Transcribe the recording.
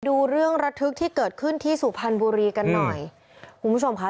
ดูเรื่องระทึกที่เกิดขึ้นที่สุพรรณบุรีกันหน่อยคุณผู้ชมค่ะ